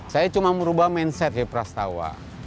saya cuma merubah mindset ya prastawa